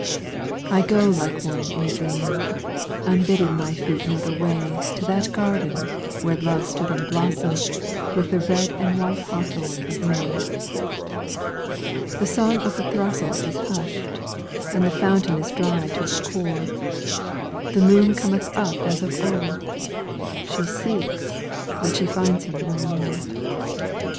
I go like one in a dream; unbidden my feet know the way To that garden where love stood in blossom with the red and white hawthorn of May. The song of the throstle is hushed, and the fountain is dry to its core; The moon cometh up as of old; she seeks, but she finds him no more.